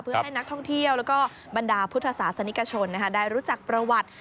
เพื่อให้นักท่องเที่ยวแล้วก็บรรดาพุทธศาสนิกชนได้รู้จักประวัติ